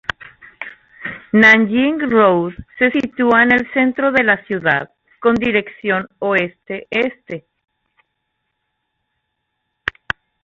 Nanjing Road se sitúa en el centro de la ciudad, con dirección oeste-este.